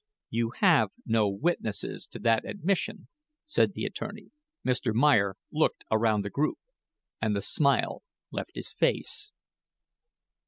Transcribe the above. "You have no witnesses to that admission," said the attorney. Mr. Meyer looked around the group and the smile left his face.